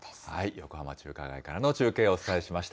横浜中華街からの中継、お伝えしました。